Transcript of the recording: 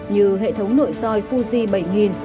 như hệ thống nội soi fuji bảy nghìn